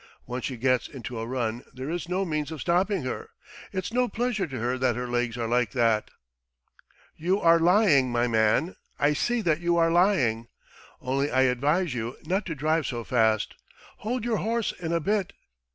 ... Once she gets into a run there is no means of stopping her. It's no pleasure to her that her legs are like that." "You are lying, my man, I see that you are lying. Only I advise you not to drive so fast. Hold your horse in a bit. ...